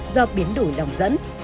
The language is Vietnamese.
do biến đổi lòng dẫn